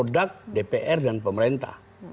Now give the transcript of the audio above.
dpr dan pemerintah